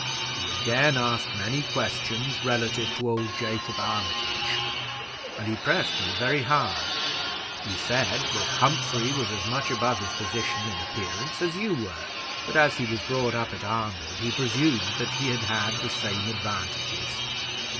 He again asked many questions relative to old Jacob Armitage, and he pressed me very hard. He said that Humphrey was as much above his position in appearance as you were, but as he was brought up at Arnwood, he presumed that he had had the same advantages.